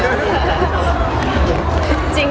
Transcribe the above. ผิดละ